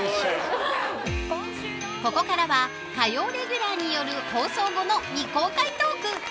ここからは火曜レギュラーによる放送後の未公開トーク。